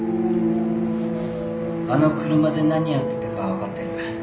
あの車で何やってたかは分かってる。